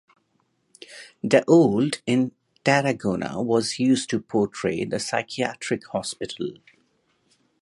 The old in Tarragona was used to portray the psychiatric hospital.